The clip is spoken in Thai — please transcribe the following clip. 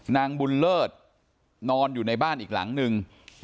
นางบุญเลิศนอนอยู่ในบ้านอีกหลังนึง